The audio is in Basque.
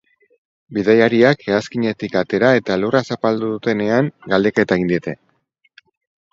Bidaiariak hegazkinetik atera eta lurra zapaldu dutenean galdeketa egin diete.